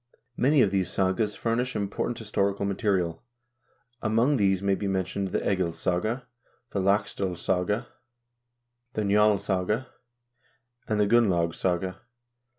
Many of these sagas furnish important historical material. Among these may be men tioned the "Egilssaga," the "Laxd0lasaga," the "Nj&lssaga," and the " Gunlaugssaga."